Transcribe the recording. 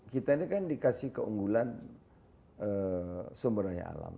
kita ini kan dikasih keunggulan sumbernya alam